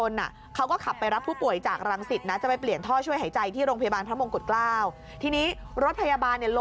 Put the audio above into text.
เราก็ขับตามรถพยาบาลมันซะเลย